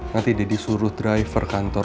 nanti daddy suruh driver kantor